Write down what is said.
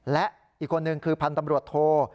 และอีกคนนึงคือพันธ์ตำรวจโท